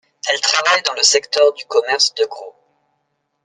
Elle travaille dans le secteur du commerce de gros.